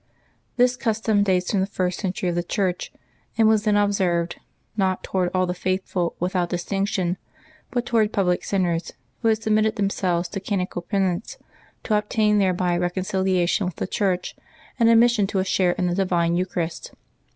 This custom dates from the first centuries of the Church, and was then observed, not toward all the faithful without distinction, but toward public sin ners who had submitted themselves to canonical penance, to obtain thereby reconciliation with the Church and ad mission to a share in the divine Eucharist.